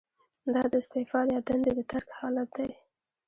دا د استعفا یا دندې د ترک حالت دی.